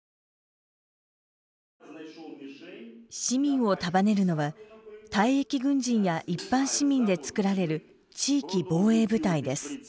市民を束ねるのは退役軍人や一般市民で作られる地域防衛部隊です。